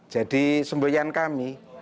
jadi semboyan kami